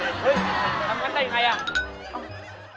เฮ้ยทำไมงั้นได้ยังไง